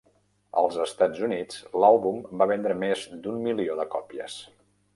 Als Estats Units, l'àlbum va vendre més d'un milió de còpies.